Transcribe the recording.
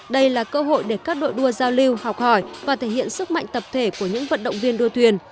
đây là cơ hội để các đội đua giao lưu học hỏi và thể hiện sức mạnh tập thể của những vận động viên đua thuyền